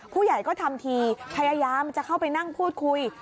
ผู้ใหญ่ก็ทำทีพยายามจะเข้าไปนั่งพูดคุย